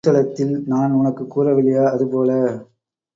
ஜெருசலத்தில் நான் உனக்குக் கூறவில்லையா, அது போல.